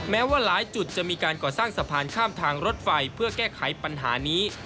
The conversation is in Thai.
แม้ว่าหลายจุดจะมีการก่อสร้างสะพานข้ามทางรถไฟเพื่อแก้ไขปัญหานี้